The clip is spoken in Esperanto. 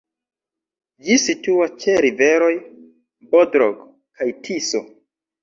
Ĝi situas ĉe riveroj Bodrog kaj Tiso.